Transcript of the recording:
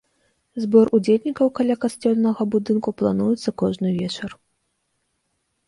Збор удзельнікаў каля касцельнага будынку плануецца кожны вечар.